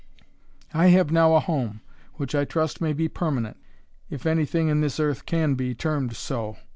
I have now a home, which I trust may be permanent, if any thing in this earth can be, termed so.